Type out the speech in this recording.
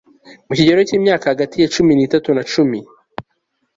mu kigero cy'imyaka hagati ya cumi n'itatu na cumi